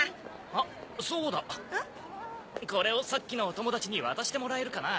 あそうだ。え？これをさっきのお友達に渡してもらえるかな？